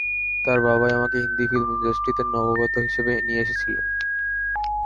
তাঁর বাবাই আমাকে হিন্দি ফিল্ম ইন্ডাস্ট্রিতে নবাগত হিসেবে নিয়ে এসেছিলেন।